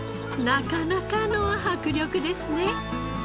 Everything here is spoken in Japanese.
なかなかの迫力ですね！